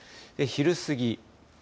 昼過ぎ。